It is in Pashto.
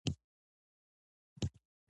هغه د طبیعت په یو ځواک باندې حاکم شو.